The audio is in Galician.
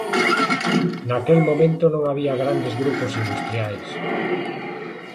Naquel momento non había grandes grupos industriais.